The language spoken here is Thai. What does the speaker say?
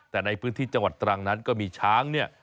แต่ในพื้นที่จังหวัดตรังนั้นก็มีช้างเนี่ย